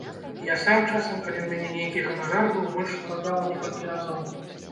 Я сам часам, калі ў мяне нейкі ганарар быў, больш укладаў у некалькі разоў.